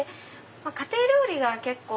まぁ家庭料理が結構。